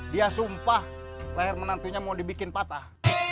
dia sumpah leher menantunya mau dibikin patah